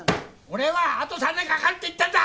俺はあと３年かかるって言ったんだ！